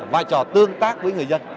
vai trò tương tác với người dân